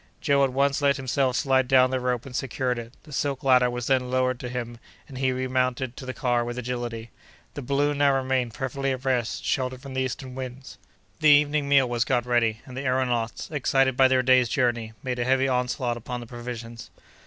Joe at once let himself slide down the rope and secured it. The silk ladder was then lowered to him and he remounted to the car with agility. The balloon now remained perfectly at rest sheltered from the eastern winds. The evening meal was got ready, and the aëronauts, excited by their day's journey, made a heavy onslaught upon the provisions.